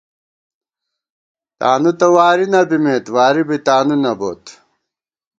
تانُو تہ واری نہ بِمېت واری بی تانُو نہ بوت